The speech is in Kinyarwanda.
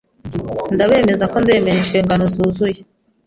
Ndabizeza ko nzemera inshingano zuzuye